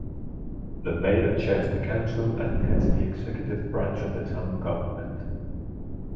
The Mayor chairs the Council and heads the executive branch of the town government.